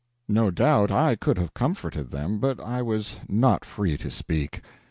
No doubt I could have comforted them, but I was not free to speak.